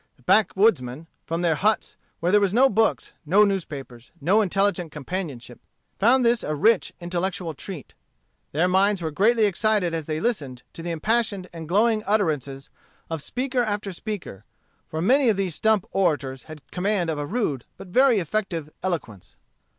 The backwoodsmen, from their huts, where there were no books, no newspapers, no intelligent companionship, found this a rich intellectual treat. Their minds were greatly excited as they listened to the impassioned and glowing utterances of speaker after speaker; for many of these stump orators had command of a rude but very effective eloquence.